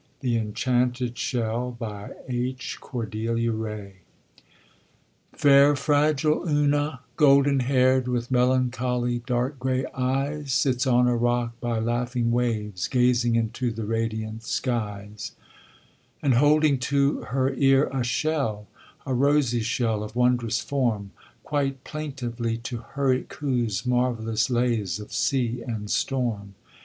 THE ENCHANTED SHELL H. CORDELIA RAY Fair, fragile Una, golden haired, With melancholy, dark gray eyes, Sits on a rock by laughing waves, Gazing into the radiant skies; And holding to her ear a shell, A rosy shell of wondrous form; Quite plaintively to her it coos Marvelous lays of sea and storm.